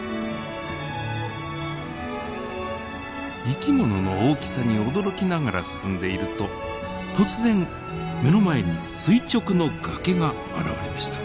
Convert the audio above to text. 生き物の大きさに驚きながら進んでいると突然目の前に垂直の崖が現れました。